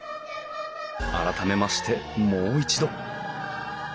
改めましてもう一度。